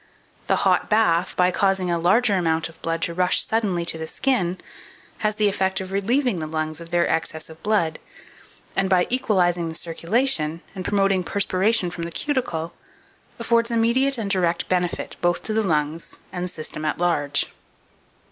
The hot bath, by causing a larger amount of blood to rush suddenly to the skin, has the effect of relieving the lungs of their excess of blood, and by equalizing the circulation, and promoting perspiration from the cuticle, affords immediate and direct benefit, both to the lungs and the system at large.